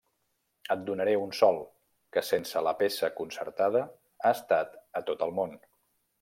Et donaré un sol, que sense la peça concertada ha estat a tot el món.